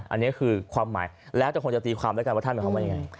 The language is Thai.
อันนี้คือความหมายและจะคงจะตีความด้วยกันว่าท่านเป็นของมันยังไง